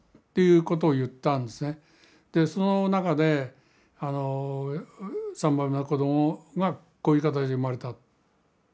でその中で３番目の子供がこういう形で生まれた。